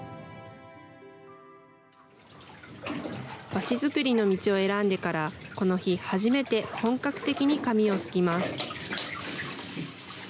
和紙作りの道を選んでから、この日初めて、本格的に紙をすきます。